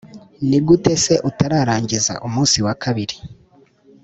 Ni gute se utararangiza umunsi wa kabiri